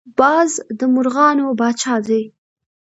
باز د مرغانو پاچا دی